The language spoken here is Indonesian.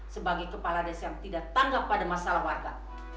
sebagai kepala desa yang tidak tanggap pada masalah warga